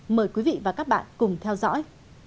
mời quý vị và các bạn cùng theo dõi